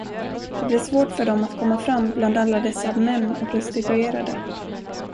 Det blev svårt för dem att komma fram bland alla dessa män och prostituerade.